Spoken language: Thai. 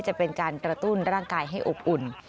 จะเป็นการกระตุ้นร่างกายให้อบอุ่น